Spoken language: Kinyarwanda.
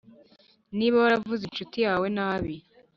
Niba waravuze incuti yawe nabi,